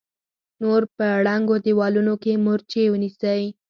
نور په ړنګو دېوالونو کې مورچې ونيسئ!